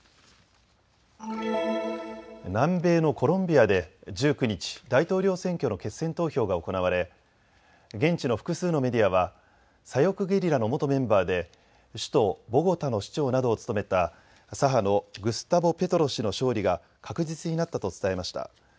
南米のコロンビアで１９日、大統領選挙の決選投票が行われ現地の複数のメディアは左翼ゲリラの元メンバーで首都ボゴタの市長などを務めた左派のグスタボ・ペトロ氏の勝利が確実になったと伝えました。